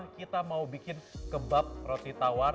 kita mau bikin kebab roti tawar